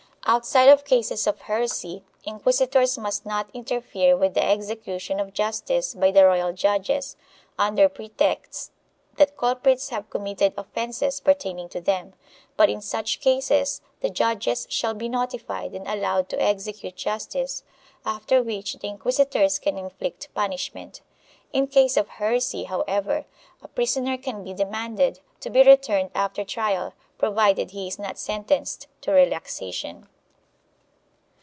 Outside of cases of heresy inquisitors must not interfere with the execution of justice by the royal judges under pretext that culprits have committed offences pertaining to them, but in such cases the judges shall be notified and allowed to execute justice, after which the inquisitors can inflict punishment. In case of heresy, however, a prisoner can be demanded, to be returned after trial, provided he is not sentenced to relaxation.